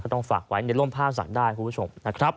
ก็ต้องฝากไว้ในร่มภาพสรรค์ได้คุณผู้ชม